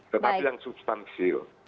tetapi yang substansil